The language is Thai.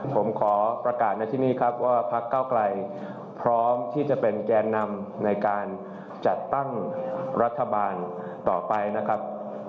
ผมขอประกาศในที่นี่ครับว่าพักเก้าไกลพร้อมที่จะเป็นแกนนำในการจัดตั้งรัฐบาลต่อไปนะครับ